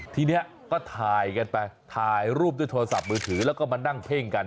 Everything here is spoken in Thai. ทีนี้ก็ถ่ายรูปด้วยโทรศัพท์มือถือแล้วก็มานั่งเภงกัน